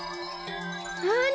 なに？